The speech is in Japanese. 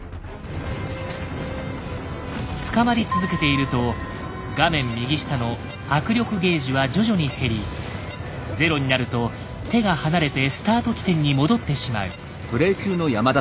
つかまり続けていると画面右下の「握力ゲージ」は徐々に減り０になると手が離れてスタート地点に戻ってしまう。